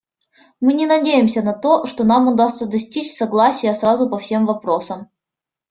Мы не надеемся на то, что нам удастся достичь согласия сразу по всем вопросам.